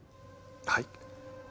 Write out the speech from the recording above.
はい？